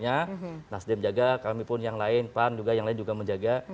maksudnya nasdi menjaga kami pun yang lain pan juga yang lain juga menjaga